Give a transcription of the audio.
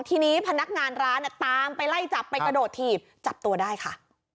ทีนี้พนักงานร้านตามไปไล่จับไปกระโดดถีบจับตัวได้ค่ะ